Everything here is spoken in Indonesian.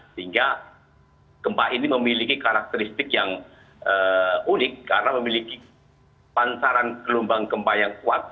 sehingga gempa ini memiliki karakteristik yang unik karena memiliki pancaran gelombang gempa yang kuat